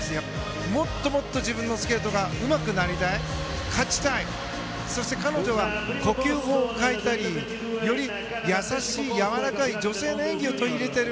もっともっと自分のスケートがうまくなりたい勝ちたい、そして彼女は呼吸法を変えたりより優しい柔らかい女性の演技を取り入れている。